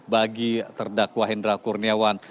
bagi terdakwa hendra kurniawan